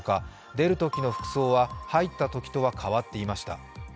出るときの服装は入ったときとは変わっていました。